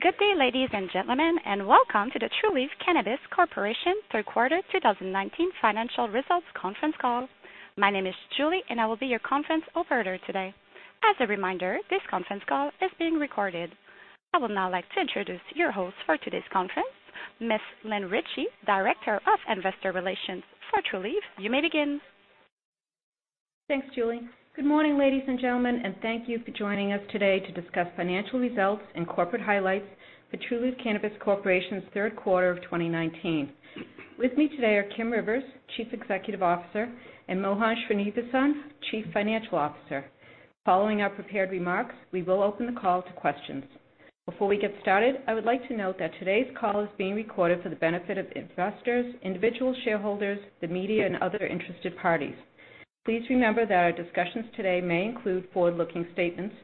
Good day, ladies and gentlemen, and welcome to the Trulieve Cannabis Corp. third quarter 2019 financial results conference call. My name is Julie, and I will be your conference operator today. As a reminder, this conference call is being recorded. I would now like to introduce your host for today's conference, Ms. Lynn Ricci, Director of Investor Relations for Trulieve. You may begin. Thanks, Julie. Good morning, ladies and gentlemen, and thank you for joining us today to discuss financial results and corporate highlights for Trulieve Cannabis Corp.'s third quarter of 2019. With me today are Kim Rivers, Chief Executive Officer, and Mohan Srinivasan, Chief Financial Officer. Following our prepared remarks, we will open the call to questions. Before we get started, I would like to note that today's call is being recorded for the benefit of investors, individual shareholders, the media, and other interested parties. Please remember that our discussions today may include forward-looking statements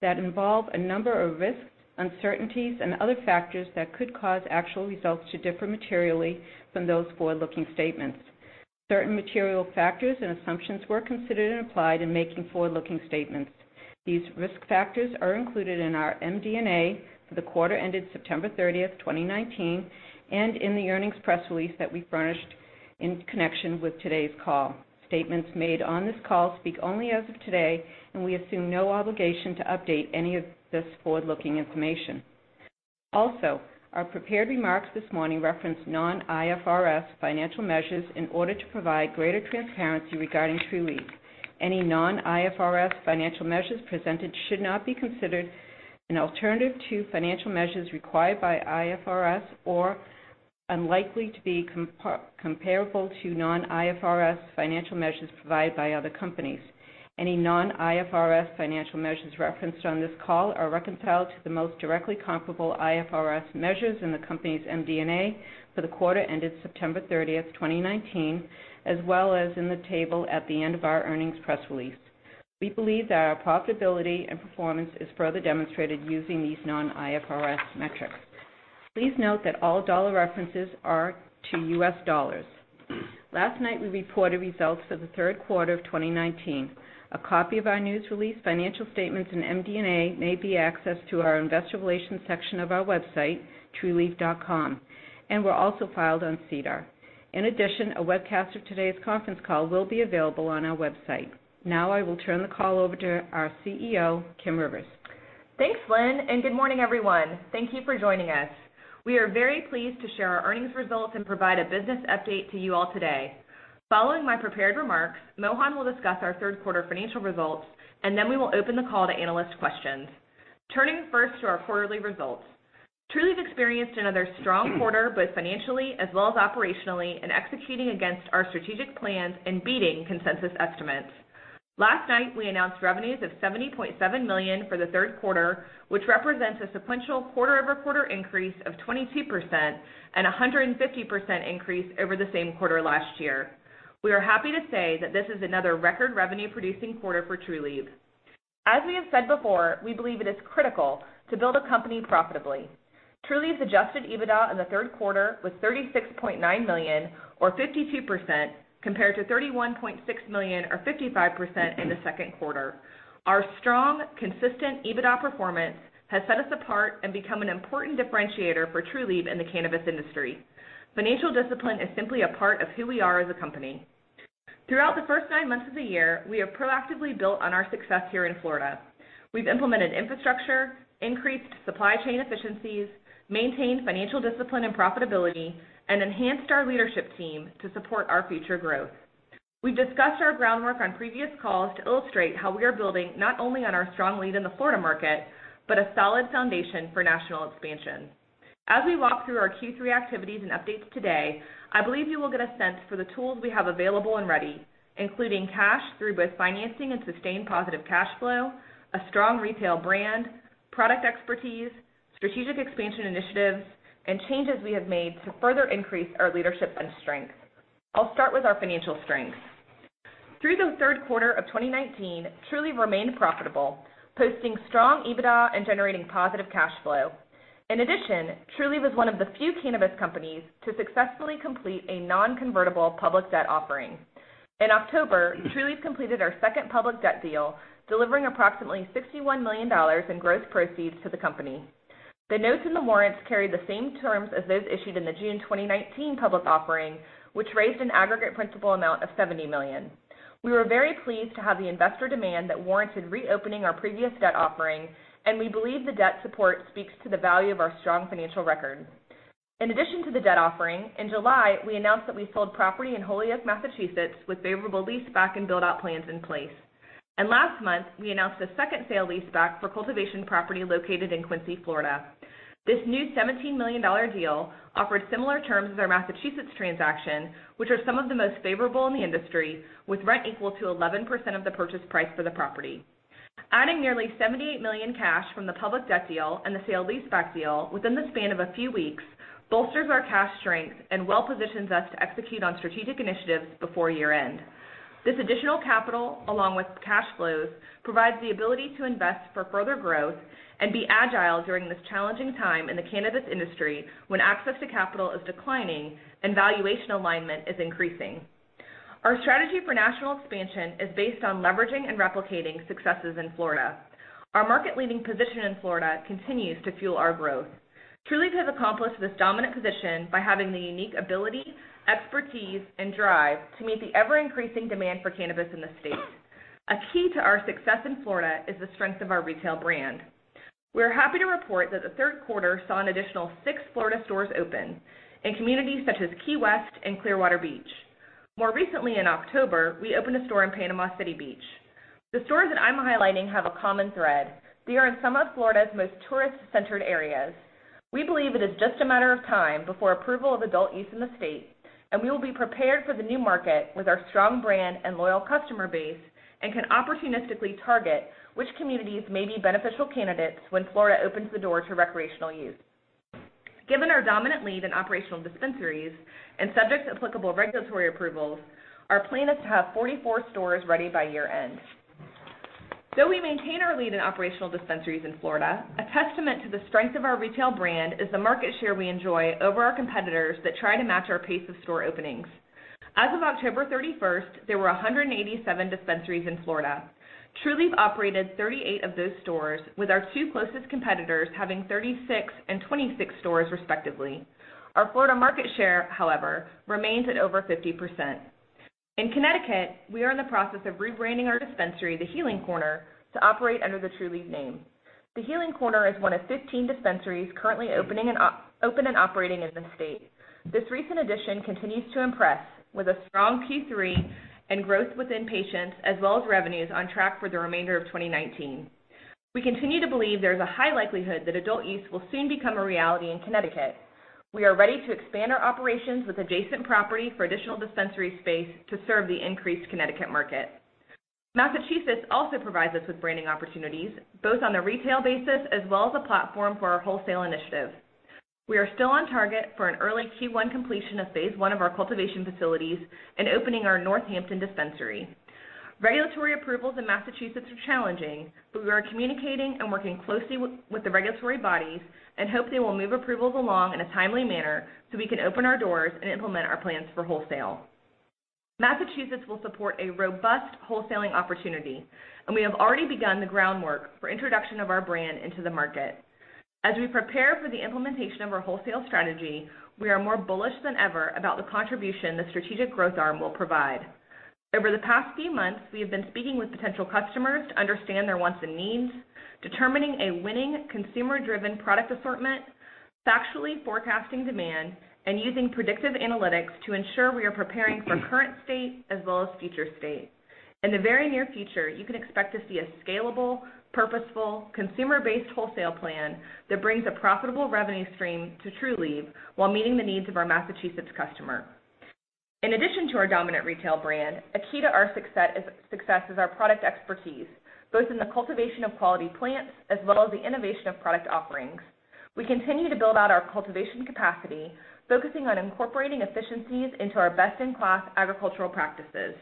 that involve a number of risks, uncertainties, and other factors that could cause actual results to differ materially from those forward-looking statements. Certain material factors and assumptions were considered and applied in making forward-looking statements. These risk factors are included in our MD&A for the quarter ended September 30th, 2019, and in the earnings press release that we furnished in connection with today's call. Statements made on this call speak only as of today, and we assume no obligation to update any of this forward-looking information. Also, our prepared remarks this morning reference non-IFRS financial measures in order to provide greater transparency regarding Trulieve. Any non-IFRS financial measures presented should not be considered an alternative to financial measures required by IFRS or unlikely to be comparable to non-IFRS financial measures provided by other companies. Any non-IFRS financial measures referenced on this call are reconciled to the most directly comparable IFRS measures in the company's MD&A for the quarter ended September 30th, 2019, as well as in the table at the end of our earnings press release. We believe that our profitability and performance is further demonstrated using these non-IFRS metrics. Please note that all dollar references are to U.S. dollars. Last night, we reported results for the third quarter of 2019. A copy of our news release, financial statements, and MD&A may be accessed to our investor relations section of our website, trulieve.com, and were also filed on SEDAR. In addition, a webcast of today's conference call will be available on our website. Now, I will turn the call over to our CEO, Kim Rivers. Thanks, Lynn. Good morning, everyone. Thank you for joining us. We are very pleased to share our earnings results and provide a business update to you all today. Following my prepared remarks, Mohan will discuss our third quarter financial results, then we will open the call to analyst questions. Turning first to our quarterly results. Trulieve experienced another strong quarter, both financially as well as operationally, in executing against our strategic plans and beating consensus estimates. Last night, we announced revenues of $70.7 million for the third quarter, which represents a sequential quarter-over-quarter increase of 22% and 150% increase over the same quarter last year. We are happy to say that this is another record revenue-producing quarter for Trulieve. As we have said before, we believe it is critical to build a company profitably. Trulieve's adjusted EBITDA in the third quarter was $36.9 million, or 52%, compared to $31.6 million, or 55%, in the second quarter. Our strong, consistent EBITDA performance has set us apart and become an important differentiator for Trulieve in the cannabis industry. Financial discipline is simply a part of who we are as a company. Throughout the first nine months of the year, we have proactively built on our success here in Florida. We've implemented infrastructure, increased supply chain efficiencies, maintained financial discipline and profitability, and enhanced our leadership team to support our future growth. We've discussed our groundwork on previous calls to illustrate how we are building not only on our strong lead in the Florida market, but a solid foundation for national expansion. As we walk through our Q3 activities and updates today, I believe you will get a sense for the tools we have available and ready, including cash through both financing and sustained positive cash flow, a strong retail brand, product expertise, strategic expansion initiatives, and changes we have made to further increase our leadership and strength. I'll start with our financial strengths. Through the third quarter of 2019, Trulieve remained profitable, posting strong EBITDA and generating positive cash flow. In addition, Trulieve was one of the few cannabis companies to successfully complete a non-convertible public debt offering. In October, Trulieve completed our second public debt deal, delivering approximately $61 million in gross proceeds to the company. The notes and the warrants carry the same terms as those issued in the June 2019 public offering, which raised an aggregate principal amount of $70 million. We were very pleased to have the investor demand that warranted reopening our previous debt offering, and we believe the debt support speaks to the value of our strong financial record. In addition to the debt offering, in July, we announced that we sold property in Holyoke, Massachusetts, with favorable leaseback and build-out plans in place. Last month, we announced a second sale leaseback for cultivation property located in Quincy, Florida. This new $17 million deal offered similar terms as our Massachusetts transaction, which are some of the most favorable in the industry, with rent equal to 11% of the purchase price for the property. Adding nearly $78 million cash from the public debt deal and the sale leaseback deal within the span of a few weeks bolsters our cash strength and well positions us to execute on strategic initiatives before year-end. This additional capital, along with cash flows, provides the ability to invest for further growth and be agile during this challenging time in the cannabis industry, when access to capital is declining and valuation alignment is increasing. Our strategy for national expansion is based on leveraging and replicating successes in Florida. Our market-leading position in Florida continues to fuel our growth. Trulieve has accomplished this dominant position by having the unique ability, expertise, and drive to meet the ever-increasing demand for cannabis in the state. A key to our success in Florida is the strength of our retail brand. We are happy to report that the third quarter saw an additional six Florida stores open in communities such as Key West and Clearwater Beach. More recently, in October, we opened a store in Panama City Beach. The stores that I'm highlighting have a common thread. They are in some of Florida's most tourist-centered areas. We believe it is just a matter of time before approval of adult use in the state, and we will be prepared for the new market with our strong brand and loyal customer base, and can opportunistically target which communities may be beneficial candidates when Florida opens the door to recreational use. Given our dominant lead in operational dispensaries, and subject to applicable regulatory approvals, our plan is to have 44 stores ready by year-end. Though we maintain our lead in operational dispensaries in Florida, a testament to the strength of our retail brand is the market share we enjoy over our competitors that try to match our pace of store openings. As of October 31st, there were 187 dispensaries in Florida. Trulieve operated 38 of those stores, with our two closest competitors having 36 and 26 stores respectively. Our Florida market share, however, remains at over 50%. In Connecticut, we are in the process of rebranding our dispensary, The Healing Corner, to operate under the Trulieve name. The Healing Corner is one of 15 dispensaries currently open and operating in the state. This recent addition continues to impress, with a strong Q3 and growth within patients, as well as revenues on track for the remainder of 2019. We continue to believe there is a high likelihood that adult use will soon become a reality in Connecticut. We are ready to expand our operations with adjacent property for additional dispensary space to serve the increased Connecticut market. Massachusetts also provides us with branding opportunities, both on a retail basis as well as a platform for our wholesale initiative. We are still on target for an early Q1 completion of phase one of our cultivation facilities and opening our Northampton dispensary. Regulatory approvals in Massachusetts are challenging, we are communicating and working closely with the regulatory bodies and hope they will move approvals along in a timely manner so we can open our doors and implement our plans for wholesale. Massachusetts will support a robust wholesaling opportunity, we have already begun the groundwork for introduction of our brand into the market. As we prepare for the implementation of our wholesale strategy, we are more bullish than ever about the contribution the strategic growth arm will provide. Over the past few months, we have been speaking with potential customers to understand their wants and needs, determining a winning consumer-driven product assortment, factually forecasting demand, and using predictive analytics to ensure we are preparing for current state as well as future state. In the very near future, you can expect to see a scalable, purposeful, consumer-based wholesale plan that brings a profitable revenue stream to Trulieve while meeting the needs of our Massachusetts customer. In addition to our dominant retail brand, a key to our success is our product expertise, both in the cultivation of quality plants as well as the innovation of product offerings. We continue to build out our cultivation capacity, focusing on incorporating efficiencies into our best-in-class agricultural practices.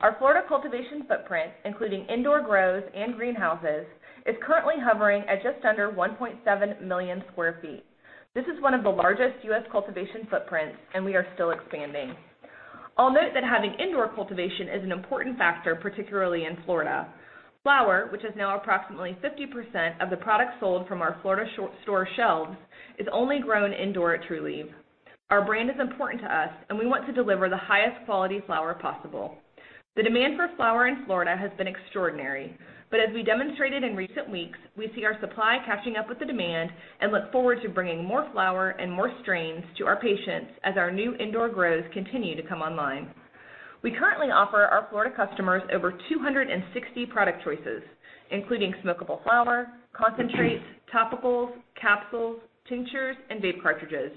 Our Florida cultivation footprint, including indoor grows and greenhouses, is currently hovering at just under 1,700,000 sq ft. This is one of the largest U.S. cultivation footprints, and we are still expanding. I'll note that having indoor cultivation is an important factor, particularly in Florida. Flower, which is now approximately 50% of the products sold from our Florida store shelves, is only grown indoor at Trulieve. Our brand is important to us, and we want to deliver the highest quality flower possible. The demand for flower in Florida has been extraordinary, but as we demonstrated in recent weeks, we see our supply catching up with the demand and look forward to bringing more flower and more strains to our patients as our new indoor grows continue to come online. We currently offer our Florida customers over 260 product choices, including smokable flower, concentrates, topicals, capsules, tinctures, and vape cartridges.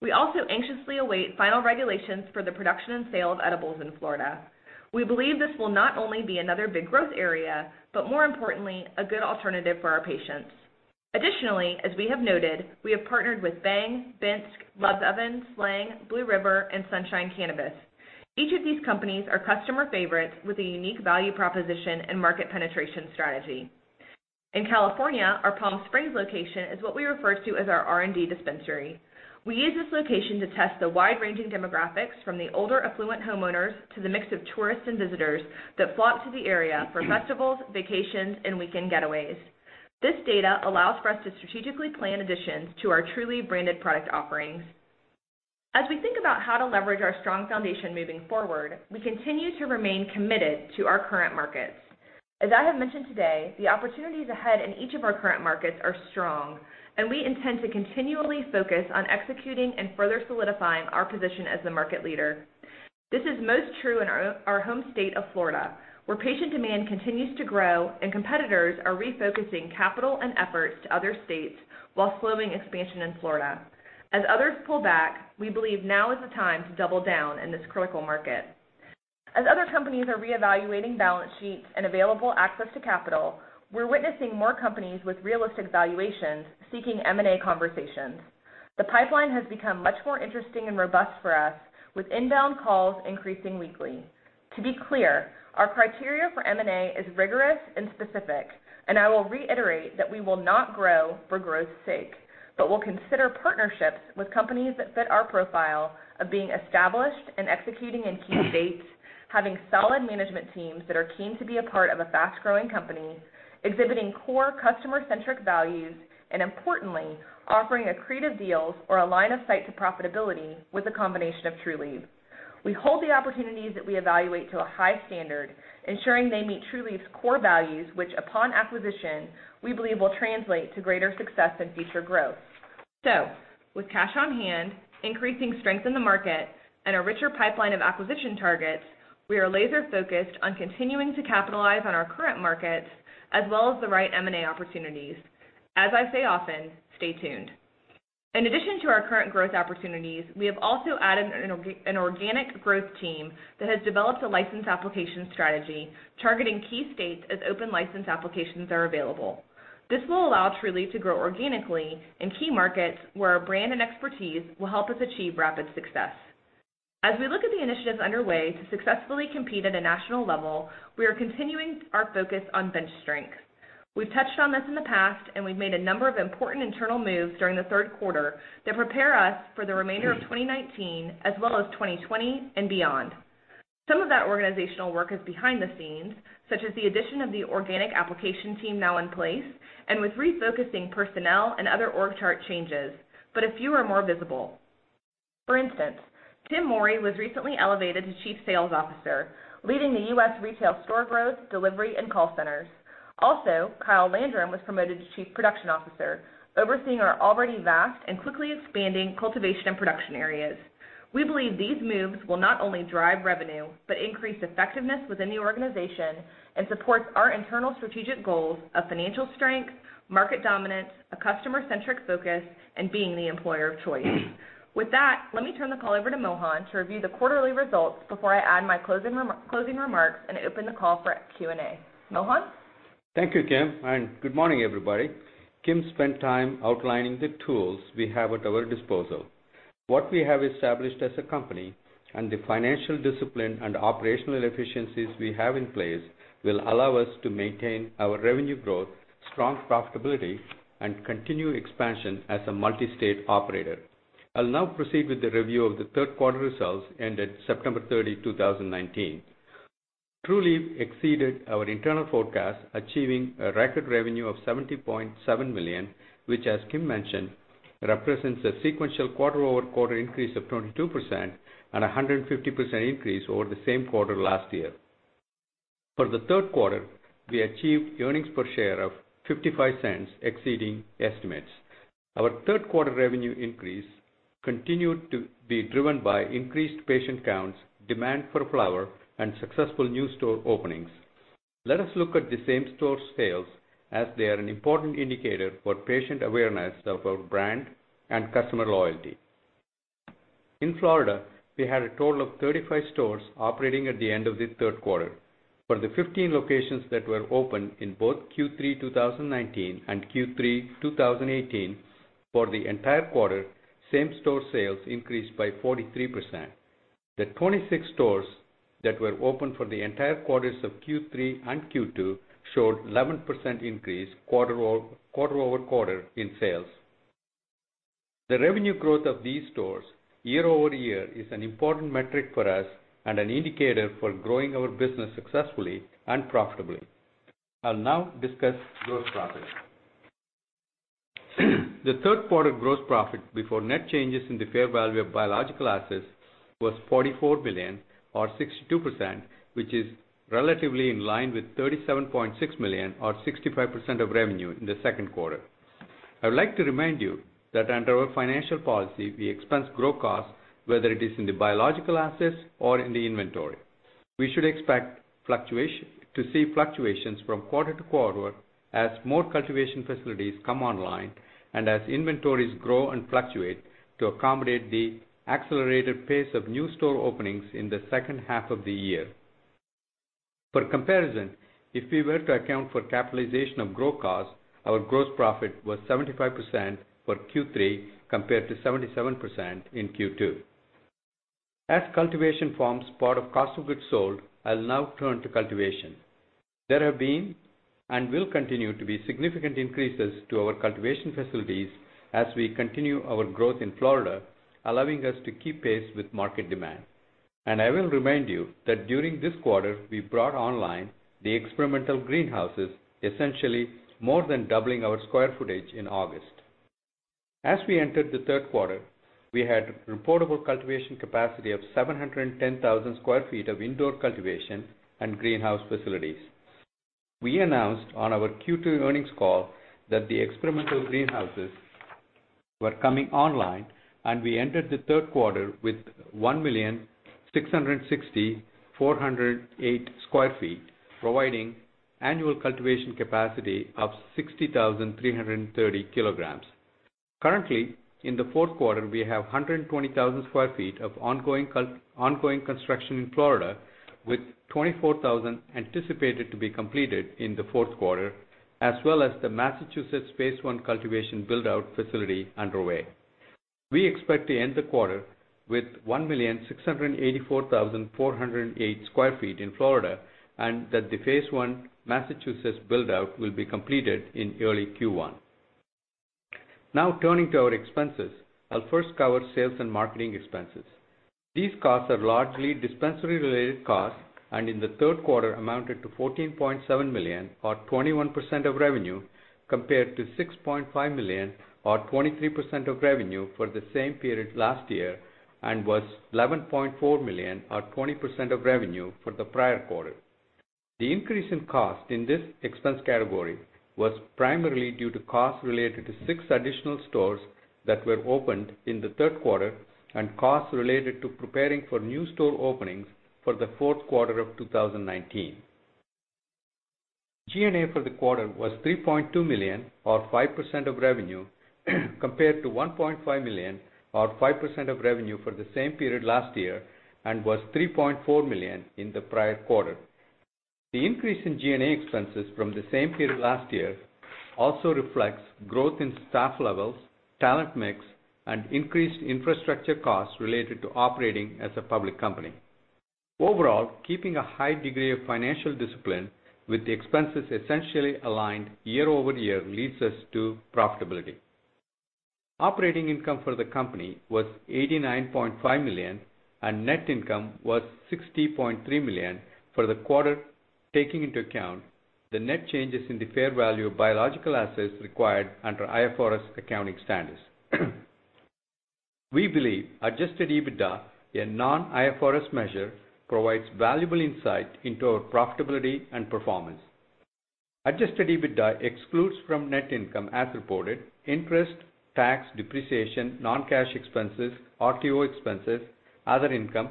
We also anxiously await final regulations for the production and sale of edibles in Florida. We believe this will not only be another big growth area but, more importantly, a good alternative for our patients. Additionally, as we have noted, we have partnered with Bhang, Binske, Love's Oven, SLANG, Blue River, and Sunshine Cannabis. Each of these companies are customer favorites with a unique value proposition and market penetration strategy. In California, our Palm Springs location is what we refer to as our R&D dispensary. We use this location to test the wide-ranging demographics, from the older affluent homeowners to the mix of tourists and visitors that flock to the area for festivals, vacations, and weekend getaways. This data allows for us to strategically plan additions to our Trulieve branded product offerings. As we think about how to leverage our strong foundation moving forward, we continue to remain committed to our current markets. As I have mentioned today, the opportunities ahead in each of our current markets are strong, and we intend to continually focus on executing and further solidifying our position as the market leader. This is most true in our home state of Florida, where patient demand continues to grow and competitors are refocusing capital and efforts to other states while slowing expansion in Florida. As others pull back, we believe now is the time to double down in this critical market. As other companies are reevaluating balance sheets and available access to capital, we're witnessing more companies with realistic valuations seeking M&A conversations. The pipeline has become much more interesting and robust for us, with inbound calls increasing weekly. To be clear, our criteria for M&A is rigorous and specific, and I will reiterate that we will not grow for growth's sake, but we'll consider partnerships with companies that fit our profile of being established and executing in key states, having solid management teams that are keen to be a part of a fast-growing company, exhibiting core customer-centric values, and importantly, offering accretive deals or a line of sight to profitability with a combination of Trulieve. We hold the opportunities that we evaluate to a high standard, ensuring they meet Trulieve's core values, which upon acquisition, we believe will translate to greater success and future growth. With cash on hand, increasing strength in the market, and a richer pipeline of acquisition targets, we are laser-focused on continuing to capitalize on our current markets as well as the right M&A opportunities. As I say often, stay tuned. In addition to our current growth opportunities, we have also added an organic growth team that has developed a license application strategy targeting key states as open license applications are available. This will allow Trulieve to grow organically in key markets where our brand and expertise will help us achieve rapid success. As we look at the initiatives underway to successfully compete at a national level, we are continuing our focus on bench strength. We've touched on this in the past, and we've made a number of important internal moves during the third quarter that prepare us for the remainder of 2019, as well as 2020 and beyond. Some of that organizational work is behind the scenes, such as the addition of the organic application team now in place and with refocusing personnel and other org chart changes, but a few are more visible. For instance, Tim Morey was recently elevated to Chief Sales Officer, leading the U.S. retail store growth, delivery, and call centers. Also, Kyle Landrum was promoted to Chief Production Officer, overseeing our already vast and quickly expanding cultivation and production areas. We believe these moves will not only drive revenue but increase effectiveness within the organization and support our internal strategic goals of financial strength, market dominance, a customer-centric focus, and being the employer of choice. With that, let me turn the call over to Mohan to review the quarterly results before I add my closing remarks and open the call for Q&A. Mohan? Thank you, Kim, and good morning, everybody. Kim spent time outlining the tools we have at our disposal. What we have established as a company and the financial discipline and operational efficiencies we have in place will allow us to maintain our revenue growth, strong profitability, and continued expansion as a multi-state operator. I'll now proceed with the review of the third quarter results ended September 30, 2019. Trulieve exceeded our internal forecast, achieving a record revenue of $70.7 million, which as Kim mentioned, represents a sequential quarter-over-quarter increase of 22% and 150% increase over the same quarter last year. For the third quarter, we achieved earnings per share of $0.55, exceeding estimates. Our third quarter revenue increase continued to be driven by increased patient counts, demand for flower, and successful new store openings. Let us look at the same-store sales as they are an important indicator for patient awareness of our brand and customer loyalty. In Florida, we had a total of 35 stores operating at the end of the third quarter. For the 15 locations that were open in both Q3 2019 and Q3 2018 for the entire quarter, same-store sales increased by 43%. The 26 stores that were open for the entire quarters of Q3 and Q2 showed 11% increase quarter-over-quarter in sales. The revenue growth of these stores year-over-year is an important metric for us and an indicator for growing our business successfully and profitably. I'll now discuss gross profit. The third quarter gross profit before net changes in the fair value of biological assets was $44 million or 62%, which is relatively in line with $37.6 million or 65% of revenue in the second quarter. I would like to remind you that under our financial policy, we expense grow costs, whether it is in the biological assets or in the inventory. We should expect to see fluctuations from quarter to quarter as more cultivation facilities come online and as inventories grow and fluctuate to accommodate the accelerated pace of new store openings in the second half of the year. For comparison, if we were to account for capitalization of grow costs, our gross profit was 75% for Q3 compared to 77% in Q2. As cultivation forms part of cost of goods sold, I'll now turn to cultivation. There have been and will continue to be significant increases to our cultivation facilities as we continue our growth in Florida, allowing us to keep pace with market demand. I will remind you that during this quarter, we brought online the experimental greenhouses, essentially more than doubling our square footage in August. As we entered the third quarter, we had reportable cultivation capacity of 710,000 sq ft of indoor cultivation and greenhouse facilities. We announced on our Q2 earnings call that the experimental greenhouses were coming online, and we entered the third quarter with 1,660,408 sq ft, providing annual cultivation capacity of 60,330 kg. Currently, in the fourth quarter, we have 120,000 sq ft of ongoing construction in Florida, with 24,000 anticipated to be completed in the fourth quarter, as well as the Massachusetts phase I cultivation build-out facility underway. We expect to end the quarter with 1,684,408 sq ft in Florida, and that the phase I Massachusetts build-out will be completed in early Q1. Turning to our expenses. I'll first cover sales and marketing expenses. These costs are largely dispensary-related costs, and in the third quarter, amounted to $14.7 million, or 21% of revenue, compared to $6.5 million, or 23% of revenue for the same period last year, and was $11.4 million, or 20% of revenue, for the prior quarter. The increase in cost in this expense category was primarily due to costs related to six additional stores that were opened in the third quarter and costs related to preparing for new store openings for the fourth quarter of 2019. G&A for the quarter was $3.2 million, or 5% of revenue, compared to $1.5 million, or 5% of revenue, for the same period last year and was $3.4 million in the prior quarter. The increase in G&A expenses from the same period last year also reflects growth in staff levels, talent mix, and increased infrastructure costs related to operating as a public company. Overall, keeping a high degree of financial discipline with expenses essentially aligned year-over-year leads us to profitability. Operating income for the company was $89.5 million, and net income was $60.3 million for the quarter, taking into account the net changes in the fair value of biological assets required under IFRS accounting standards. We believe adjusted EBITDA, a non-IFRS measure, provides valuable insight into our profitability and performance. Adjusted EBITDA excludes from net income as reported, interest, tax depreciation, non-cash expenses, RTO expenses, other income,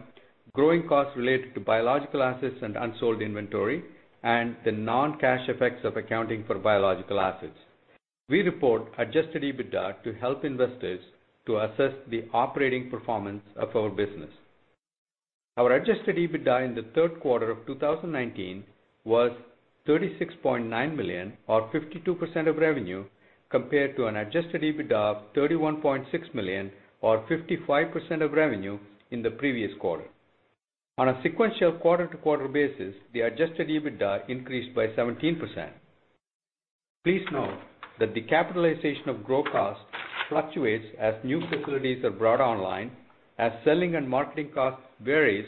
growing costs related to biological assets and unsold inventory, and the non-cash effects of accounting for biological assets. We report adjusted EBITDA to help investors to assess the operating performance of our business. Our adjusted EBITDA in the third quarter of 2019 was $36.9 million or 52% of revenue, compared to an adjusted EBITDA of $31.6 million or 55% of revenue in the previous quarter. On a sequential quarter-to-quarter basis, the adjusted EBITDA increased by 17%. Please note that the capitalization of grow costs fluctuates as new facilities are brought online, as selling and marketing costs varies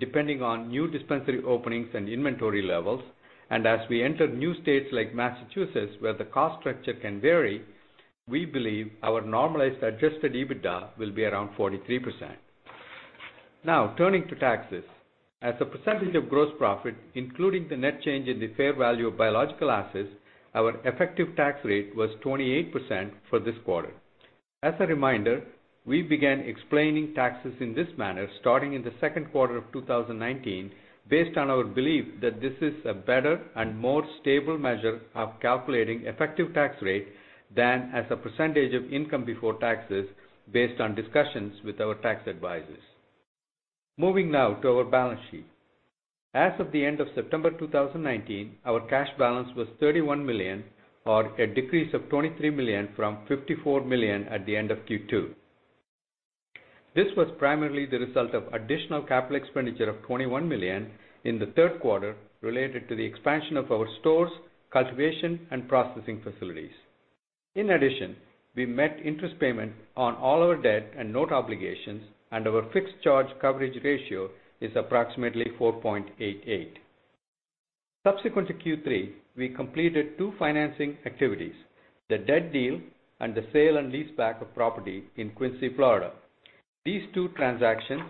depending on new dispensary openings and inventory levels. As we enter new states like Massachusetts where the cost structure can vary, we believe our normalized adjusted EBITDA will be around 43%. Now turning to taxes. As a percentage of gross profit, including the net change in the fair value of biological assets, our effective tax rate was 28% for this quarter. As a reminder, we began explaining taxes in this manner starting in the second quarter of 2019, based on our belief that this is a better and more stable measure of calculating effective tax rate than as a percentage of income before taxes based on discussions with our tax advisors. Moving now to our balance sheet. As of the end of September 2019, our cash balance was $31 million, or a decrease of $23 million from $54 million at the end of Q2. This was primarily the result of additional capital expenditure of $21 million in the third quarter related to the expansion of our stores, cultivation, and processing facilities. In addition, we met interest payment on all our debt and note obligations, and our fixed charge coverage ratio is approximately 4.88. Subsequent to Q3, we completed two financing activities: the debt deal and the sale and leaseback of property in Quincy, Florida. These two transactions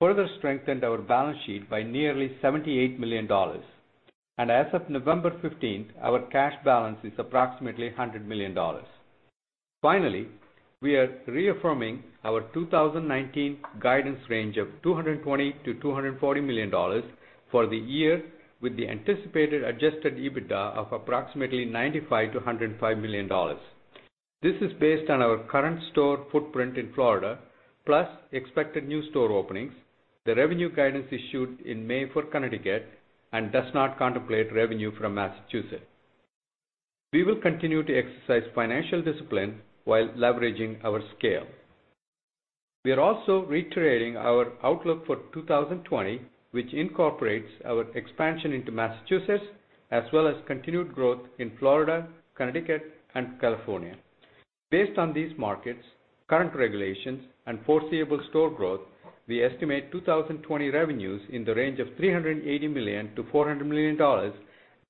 further strengthened our balance sheet by nearly $78 million. As of November 15th, our cash balance is approximately $100 million. Finally, we are reaffirming our 2019 guidance range of $220 million-$240 million for the year, with the anticipated adjusted EBITDA of approximately $95 million-$105 million. This is based on our current store footprint in Florida, plus expected new store openings, the revenue guidance issued in May for Connecticut, and does not contemplate revenue from Massachusetts. We will continue to exercise financial discipline while leveraging our scale. We are also reiterating our outlook for 2020, which incorporates our expansion into Massachusetts as well as continued growth in Florida, Connecticut, and California. Based on these markets, current regulations, and foreseeable store growth, we estimate 2020 revenues in the range of $380 million-$400 million,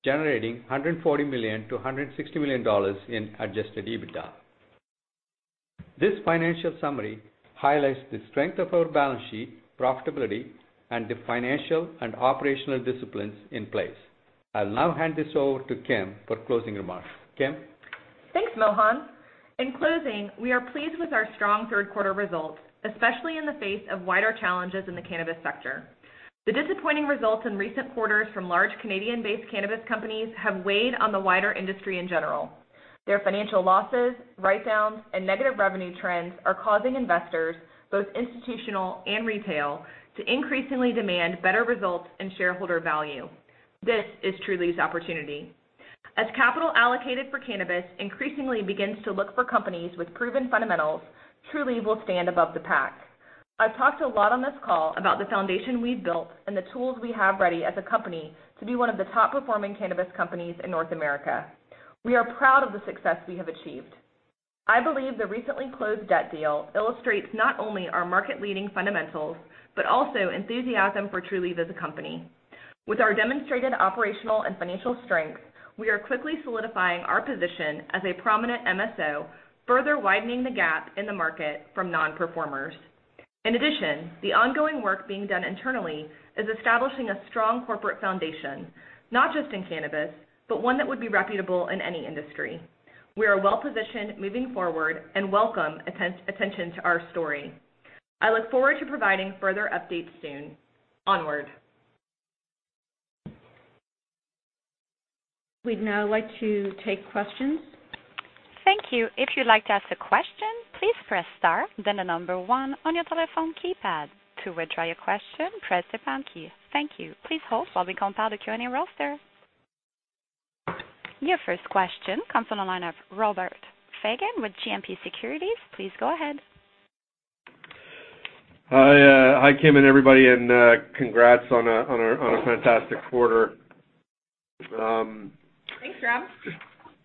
generating $140 million-$160 million in adjusted EBITDA. This financial summary highlights the strength of our balance sheet profitability and the financial and operational disciplines in place. I'll now hand this over to Kim for closing remarks. Kim? Thanks, Mohan. In closing, we are pleased with our strong third quarter results, especially in the face of wider challenges in the cannabis sector. The disappointing results in recent quarters from large Canadian-based cannabis companies have weighed on the wider industry in general. Their financial losses, write-downs, and negative revenue trends are causing investors, both institutional and retail, to increasingly demand better results and shareholder value. This is Trulieve's opportunity. As capital allocated for cannabis increasingly begins to look for companies with proven fundamentals, Trulieve will stand above the pack. I've talked a lot on this call about the foundation we've built and the tools we have ready as a company to be one of the top-performing cannabis companies in North America. We are proud of the success we have achieved. I believe the recently closed debt deal illustrates not only our market-leading fundamentals, but also enthusiasm for Trulieve as a company. With our demonstrated operational and financial strength, we are quickly solidifying our position as a prominent MSO, further widening the gap in the market from non-performers. The ongoing work being done internally is establishing a strong corporate foundation, not just in cannabis, but one that would be reputable in any industry. We are well-positioned moving forward and welcome attention to our story. I look forward to providing further updates soon. Onward. We'd now like to take questions. Thank you. If you'd like to ask a question, please press star, then the number one on your telephone keypad. To withdraw your question, press the pound key. Thank you. Please hold while we compile the Q&A roster. Your first question comes on the line of Robert Fagan with GMP Securities. Please go ahead. Hi, Kim and everybody, and congrats on a fantastic quarter. Thanks, Rob.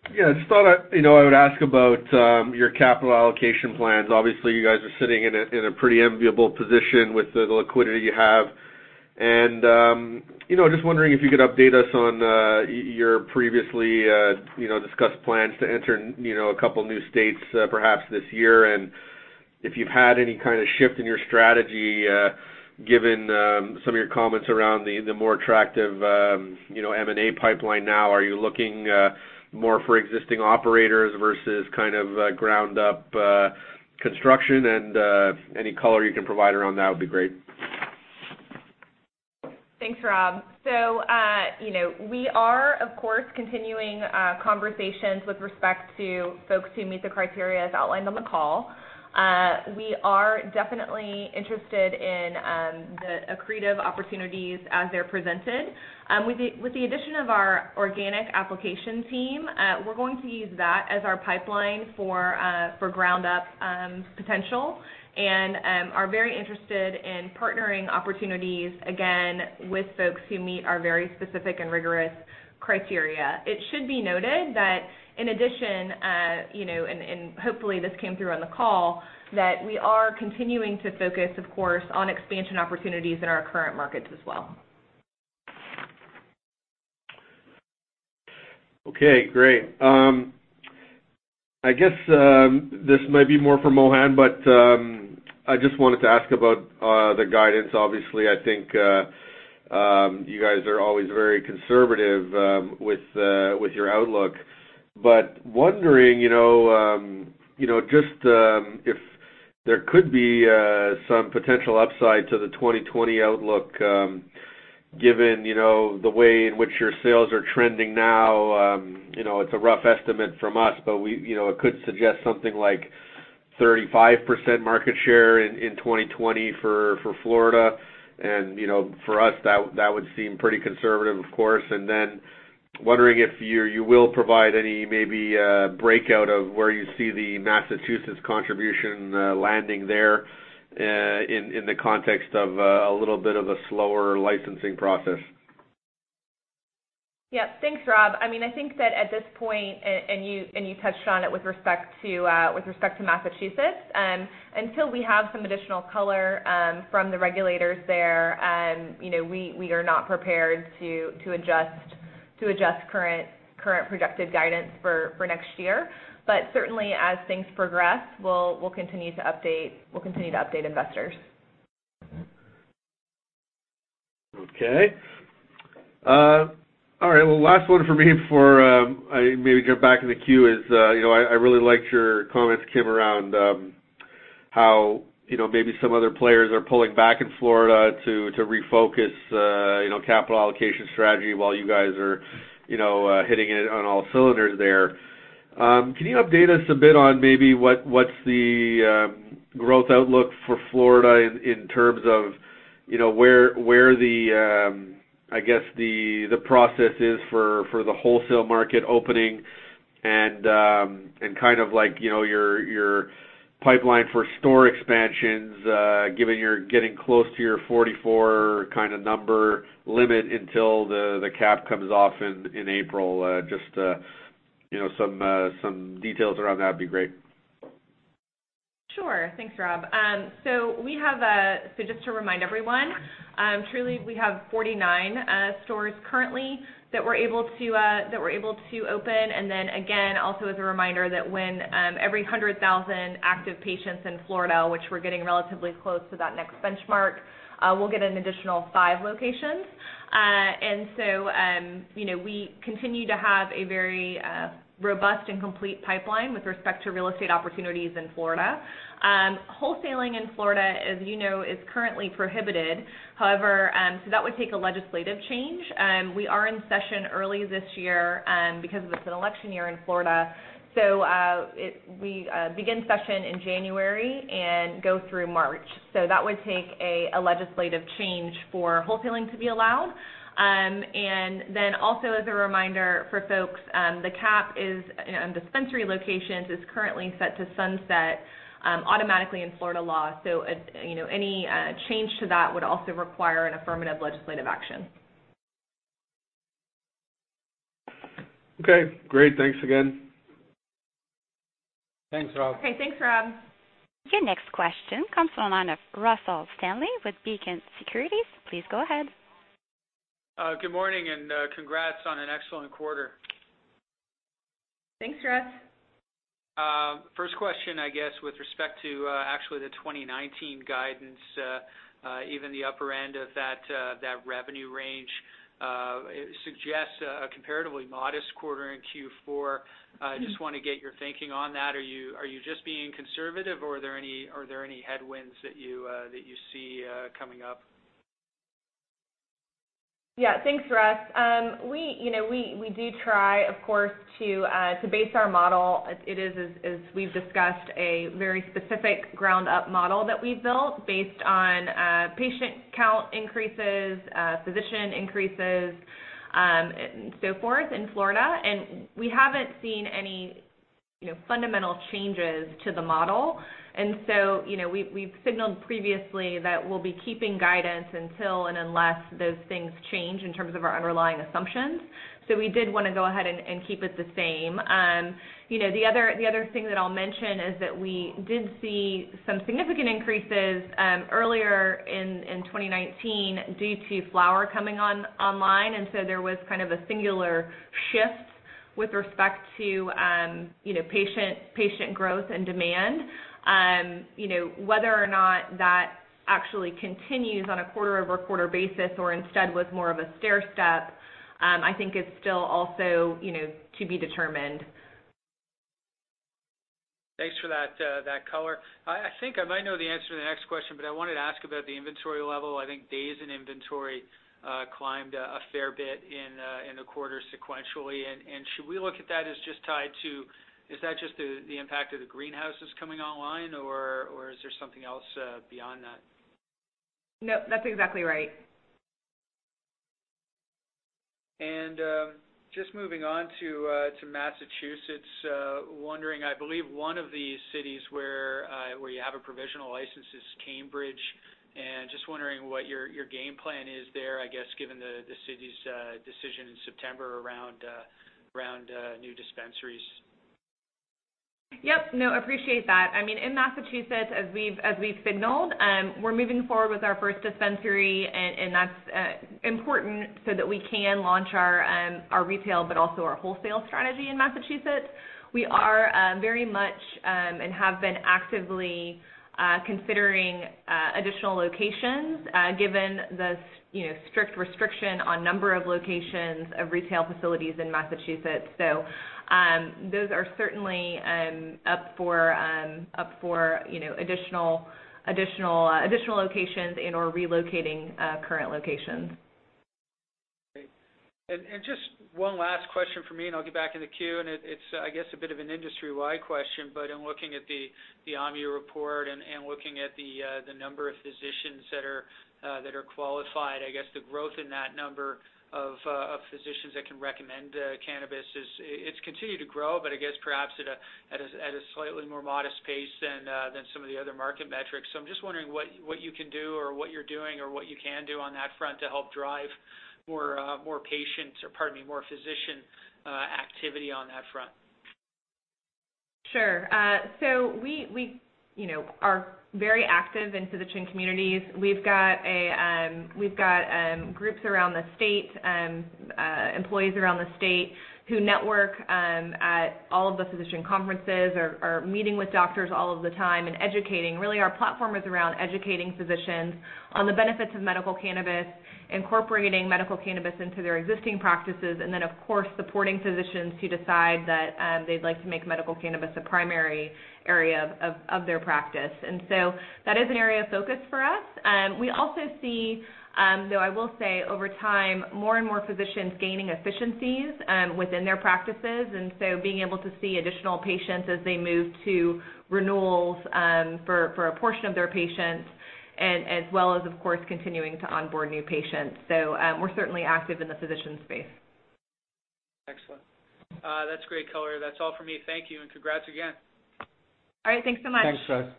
Just thought I would ask about your capital allocation plans. Obviously, you guys are sitting in a pretty enviable position with the liquidity you have. Just wondering if you could update us on your previously discussed plans to enter a couple of new states perhaps this year, and if you've had any kind of shift in your strategy given some of your comments around the more attractive M&A pipeline now. Are you looking more for existing operators versus ground-up construction? Any color you can provide around that would be great. Thanks, Rob. We are, of course, continuing conversations with respect to folks who meet the criteria, as outlined on the call. We are definitely interested in the accretive opportunities as they're presented. With the addition of our organic application team, we're going to use that as our pipeline for ground-up potential and are very interested in partnering opportunities, again, with folks who meet our very specific and rigorous criteria. It should be noted that in addition, and hopefully this came through on the call, that we are continuing to focus, of course, on expansion opportunities in our current markets as well. Okay, great. I guess this might be more for Mohan. I just wanted to ask about the guidance. Obviously, I think you guys are always very conservative with your outlook. Wondering just if there could be some potential upside to the 2020 outlook given the way in which your sales are trending now. It's a rough estimate from us, but it could suggest something like 35% market share in 2020 for Florida, and for us, that would seem pretty conservative, of course. Wondering if you will provide any maybe breakout of where you see the Massachusetts contribution landing there in the context of a little bit of a slower licensing process. Yeah. Thanks, Rob. I think that at this point, and you touched on it with respect to Massachusetts, until we have some additional color from the regulators there, we are not prepared to adjust current projected guidance for next year. Certainly, as things progress, we'll continue to update investors. Okay. All right. Well, last one from me before I maybe get back in the queue is, I really liked your comments, Kim, around how maybe some other players are pulling back in Florida to refocus capital allocation strategy while you guys are hitting it on all cylinders there. Can you update us a bit on maybe what's the growth outlook for Florida in terms of where the process is for the wholesale market opening and your pipeline for store expansions, given you're getting close to your 44 number limit until the cap comes off in April. Just some details around that'd be great. Sure. Thanks, Rob. Just to remind everyone, Trulieve, we have 49 stores currently that we're able to open, and then again, also as a reminder that when every 100,000 active patients in Florida, which we're getting relatively close to that next benchmark, we'll get an additional five locations. We continue to have a very robust and complete pipeline with respect to real estate opportunities in Florida. Wholesaling in Florida, as you know, is currently prohibited. However, that would take a legislative change. We are in session early this year because it's an election year in Florida. We begin session in January and go through March. That would take a legislative change for wholesaling to be allowed. Also as a reminder for folks, the cap is, on dispensary locations, is currently set to sunset automatically in Florida law. Any change to that would also require an affirmative legislative action. Okay, great. Thanks again. Thanks, Rob. Okay, thanks, Rob. Your next question comes from the line of Russell Stanley with Beacon Securities. Please go ahead. Good morning, and congrats on an excellent quarter. Thanks, Russ. First question, I guess, with respect to actually the 2019 guidance, even the upper end of that revenue range suggests a comparatively modest quarter in Q4. I just want to get your thinking on that. Are you just being conservative, or are there any headwinds that you see coming up? Yeah. Thanks, Russ. We do try, of course, to base our model. It is, as we've discussed, a very specific ground-up model that we've built based on patient count increases, physician increases, so forth in Florida. We haven't seen any fundamental changes to the model. We've signaled previously that we'll be keeping guidance until and unless those things change in terms of our underlying assumptions. We did want to go ahead and keep it the same. The other thing that I'll mention is that we did see some significant increases earlier in 2019 due to flower coming online, and so there was kind of a singular shift with respect to patient growth and demand. Whether or not that actually continues on a quarter-over-quarter basis or instead was more of a stairstep, I think is still also to be determined. Thanks for that color. I think I might know the answer to the next question, I wanted to ask about the inventory level. I think days in inventory climbed a fair bit in the quarter sequentially. Should we look at that as just the impact of the greenhouses coming online, or is there something else beyond that? No, that's exactly right. Just moving on to Massachusetts, wondering, I believe one of the cities where you have a provisional license is Cambridge, and just wondering what your game plan is there, I guess, given the city's decision in September around new dispensaries. Yep. No, appreciate that. In Massachusetts, as we've signaled, we're moving forward with our first dispensary, and that's important so that we can launch our retail but also our wholesale strategy in Massachusetts. We are very much, and have been actively considering additional locations given the strict restriction on number of locations of retail facilities in Massachusetts. Those are certainly up for additional locations and/or relocating current locations. Great. Just one last question from me, and I'll get back in the queue. It's, I guess, a bit of an industry-wide question, but in looking at the OMMU report and looking at the number of physicians that are qualified, I guess the growth in that number of physicians that can recommend cannabis, it's continued to grow, but I guess perhaps at a slightly more modest pace than some of the other market metrics. I'm just wondering what you can do or what you're doing or what you can do on that front to help drive more patient, or pardon me, more physician activity on that front. Sure. We are very active in physician communities. We've got groups around the state, employees around the state who network at all of the physician conferences, are meeting with doctors all of the time and educating. Really, our platform is around educating physicians on the benefits of medical cannabis, incorporating medical cannabis into their existing practices, of course, supporting physicians who decide that they'd like to make medical cannabis a primary area of their practice. That is an area of focus for us. We also see, though, I will say over time, more and more physicians gaining efficiencies within their practices, being able to see additional patients as they move to renewals for a portion of their patients, as well as, of course, continuing to onboard new patients. We're certainly active in the physician space. Excellent. That's great color. That's all from me. Thank you, and congrats again. All right. Thanks so much. Thanks, Russ.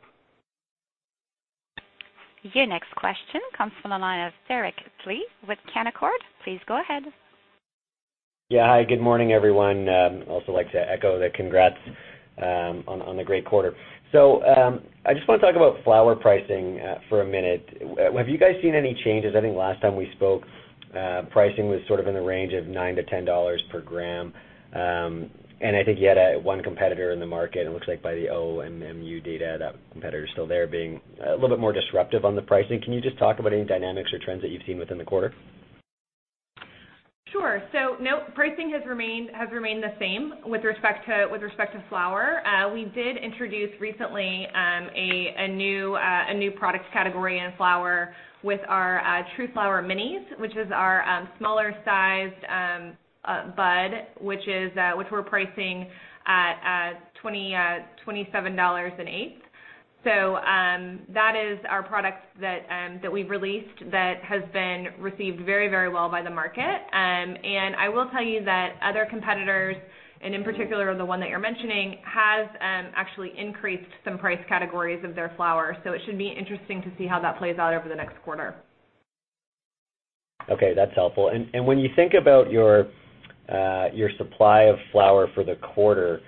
Your next question comes from the line of Derek Dley with Canaccord. Please go ahead. Yeah. Hi, good morning, everyone. I also like to echo the congrats on the great quarter. I just want to talk about flower pricing for a minute. Have you guys seen any changes? I think last time we spoke, pricing was sort of in the range of $9-$10 /g. I think you had one competitor in the market. It looks like by the OMMU data, that competitor's still there being a little bit more disruptive on the pricing. Can you just talk about any dynamics or trends that you've seen within the quarter? Sure. No, pricing has remained the same with respect to flower. We did introduce recently a new product category in flower with our TruFlower Minis, which is our smaller sized bud, which we're pricing at $27 an eighth. That is our product that we've released that has been received very well by the market. I will tell you that other competitors, and in particular the one that you're mentioning, has actually increased some price categories of their flower. It should be interesting to see how that plays out over the next quarter. Okay, that's helpful. When you think about your supply of flower for the quarter,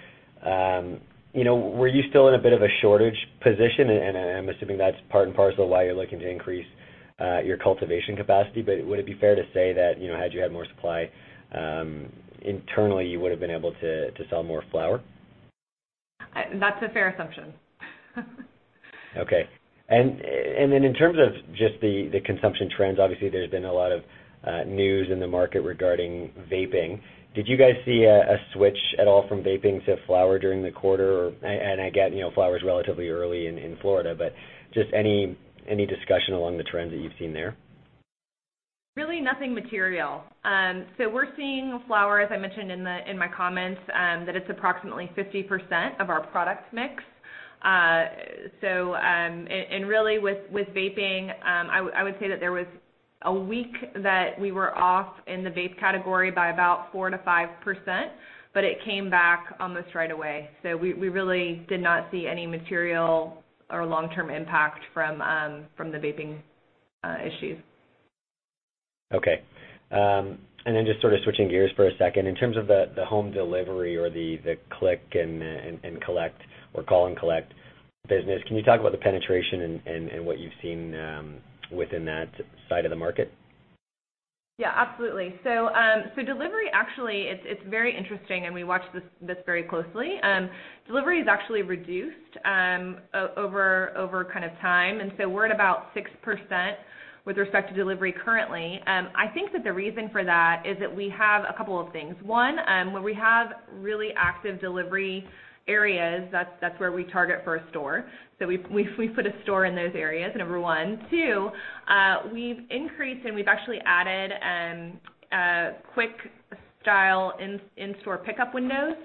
were you still in a bit of a shortage position? I'm assuming that's part and parcel why you're looking to increase your cultivation capacity. Would it be fair to say that, had you had more supply, internally you would've been able to sell more flower? That's a fair assumption. Okay. In terms of just the consumption trends, obviously there's been a lot of news in the market regarding vaping. Did you guys see a switch at all from vaping to flower during the quarter? Again, flower is relatively early in Florida, but just any discussion along the trends that you've seen there? Really nothing material. We're seeing flower, as I mentioned in my comments, that it's approximately 50% of our product mix. Really with vaping, I would say that there was a week that we were off in the vape category by about 4%-5%, but it came back almost right away. We really did not see any material or long-term impact from the vaping issues. Okay. Just sort of switching gears for a second, in terms of the home delivery or the click and collect or call and collect business, can you talk about the penetration and what you've seen within that side of the market? Yeah, absolutely. Delivery actually, it's very interesting and we watch this very closely. Delivery is actually reduced over time. We're at about 6% with respect to delivery currently. I think that the reason for that is that we have a couple of things. One, where we have really active delivery areas, that's where we target for a store. We put a store in those areas, number one. Two, we've increased and we've actually added quick style in-store pickup windows.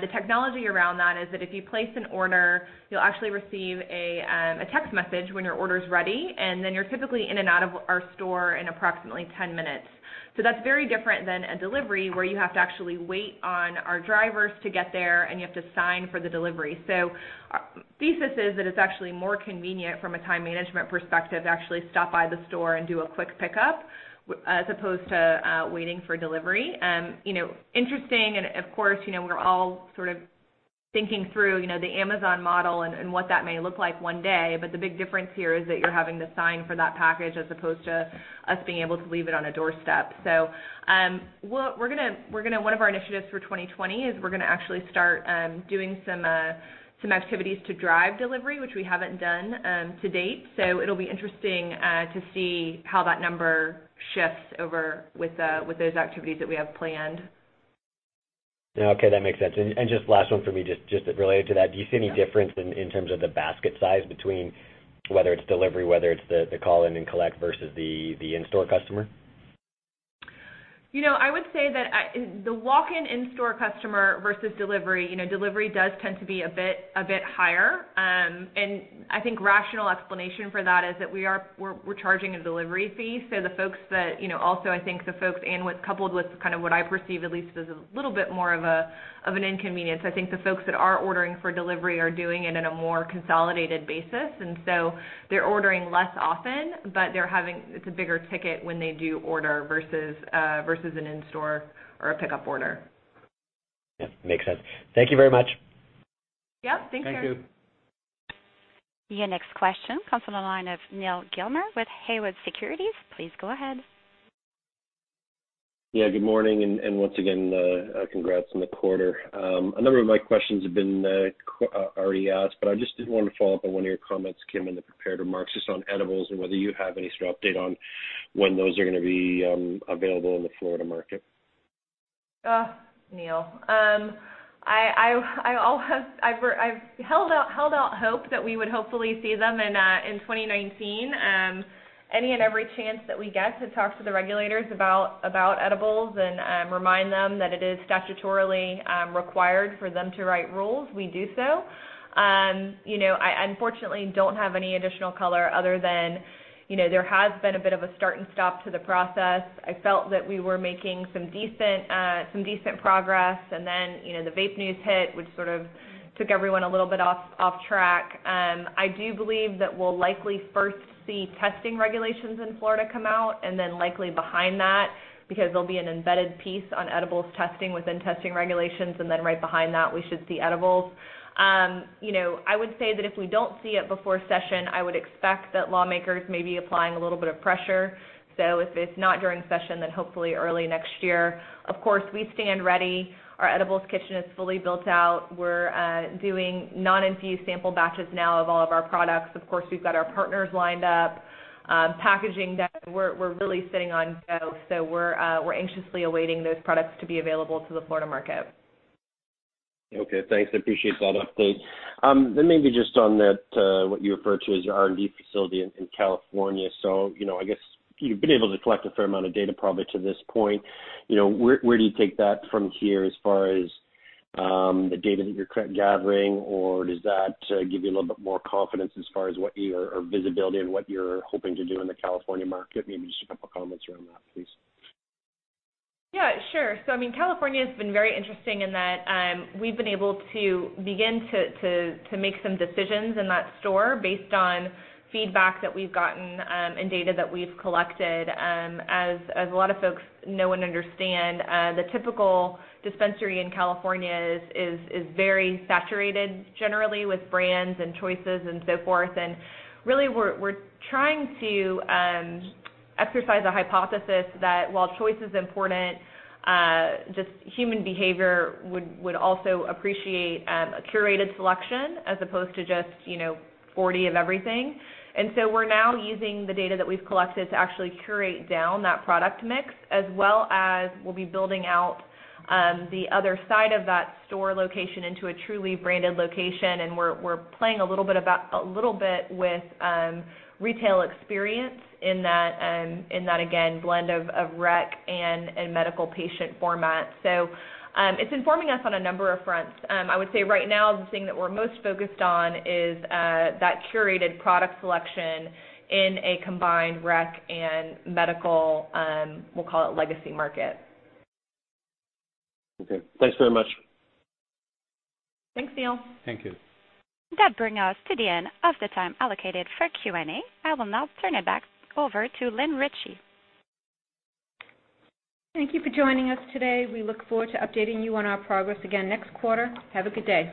The technology around that is that if you place an order, you'll actually receive a text message when your order's ready, and then you're typically in and out of our store in approximately 10 minutes. That's very different than a delivery where you have to actually wait on our drivers to get there, and you have to sign for the delivery. Our thesis is that it's actually more convenient from a time management perspective, to actually stop by the store and do a quick pickup as opposed to waiting for delivery. Interesting, of course, we're all sort of thinking through the Amazon model and what that may look like one day. The big difference here is that you're having to sign for that package as opposed to us being able to leave it on a doorstep. One of our initiatives for 2020 is we're going to actually start doing some activities to drive delivery, which we haven't done to date. It'll be interesting to see how that number shifts over with those activities that we have planned. Yeah. Okay, that makes sense. Just last one for me, just related to that, do you see any difference in terms of the basket size between whether it's delivery, whether it's the call in and collect versus the in-store customer? I would say that the walk-in in-store customer versus delivery does tend to be a bit higher. I think rational explanation for that is that we're charging a delivery fee. I think the folks and what's coupled with kind of what I perceive at least as a little bit more of an inconvenience, I think the folks that are ordering for delivery are doing it in a more consolidated basis, they're ordering less often, but it's a bigger ticket when they do order versus an in-store or a pickup order. Yeah, makes sense. Thank you very much. Yep. Thanks, Derek. Thank you. Your next question comes from the line of Neal Gilmer with Haywood Securities. Please go ahead. Yeah. Good morning. Once again, congrats on the quarter. A number of my questions have been already asked, but I just did want to follow up on one of your comments, Kim, in the prepared remarks, just on edibles and whether you have any sort of update on when those are going to be available in the Florida market. Neal. I've held out hope that we would hopefully see them in 2019. Any and every chance that we get to talk to the regulators about edibles and remind them that it is statutorily required for them to write rules, we do so. I unfortunately don't have any additional color other than there has been a bit of a start and stop to the process. I felt that we were making some decent progress and then the vape news hit, which sort of took everyone a little bit off track. I do believe that we'll likely first see testing regulations in Florida come out and then likely behind that, because there'll be an embedded piece on edibles testing within testing regulations, and then right behind that, we should see edibles. I would say that if we don't see it before session, I would expect that lawmakers may be applying a little bit of pressure. If it's not during session, then hopefully early next year. Of course, we stand ready. Our edibles kitchen is fully built out. We're doing non-infused sample batches now of all of our products. Of course, we've got our partners lined up, packaging done. We're really sitting on go. We're anxiously awaiting those products to be available to the Florida market. Okay, thanks. I appreciate that update. Maybe just on what you refer to as your R&D facility in California. I guess you've been able to collect a fair amount of data probably to this point. Where do you take that from here as far as the data that you're currently gathering, or does that give you a little bit more confidence as far as what your visibility and what you're hoping to do in the California market? Maybe just a couple comments around that, please. Yeah, sure. California has been very interesting in that we've been able to begin to make some decisions in that store based on feedback that we've gotten and data that we've collected. As a lot of folks know and understand, the typical dispensary in California is very saturated generally with brands and choices and so forth. Really we're trying to exercise a hypothesis that while choice is important, just human behavior would also appreciate a curated selection as opposed to just 40 of everything. We're now using the data that we've collected to actually curate down that product mix, as well as we'll be building out the other side of that store location into a truly branded location, and we're playing a little bit with retail experience in that, again, blend of rec and medical patient format. It's informing us on a number of fronts. I would say right now the thing that we're most focused on is that curated product selection in a combined rec and medical, we'll call it legacy market. Okay. Thanks very much. Thanks, Neal. Thank you. That bring us to the end of the time allocated for Q&A. I will now turn it back over to Lynn Ricci. Thank you for joining us today. We look forward to updating you on our progress again next quarter. Have a good day.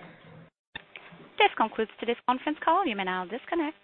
This concludes today's conference call. You may now disconnect.